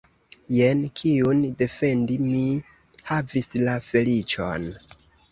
Jen kiun defendi mi havis la feliĉon!